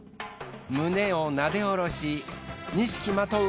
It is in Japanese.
胸をなでおろし錦まとう